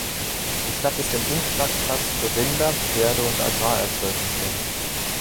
Die Stadt ist ein Umschlagplatz für Rinder, Pferde und Agrarerzeugnisse.